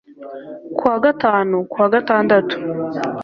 ku wa gatanu ku wa gatandatu